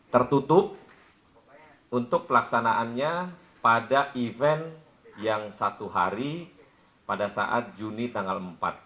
tertutup untuk pelaksanaannya pada event yang satu hari pada saat juni tanggal empat dua ribu dua puluh dua